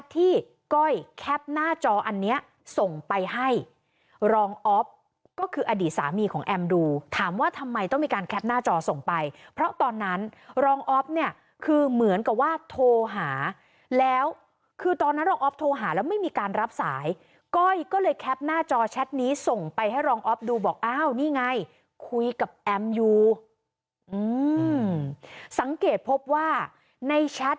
ก้อยแคปหน้าจออันนี้ส่งไปให้รองออฟก็คืออดีตสามีของแอมดูถามว่าทำไมต้องมีการแคปหน้าจอส่งไปเพราะตอนนั้นรองออฟเนี่ยคือเหมือนกับว่าโทรหาแล้วคือตอนนั้นรองออฟโทรหาแล้วไม่มีการรับสายก้อยก็เลยแคปหน้าจอแชทนี้ส่งไปให้รองออฟดูบอกอ้าวนี่ไงคุยกับแอมอยู่อืมสังเกตพบว่าในแชท